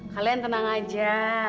kalian tenang aja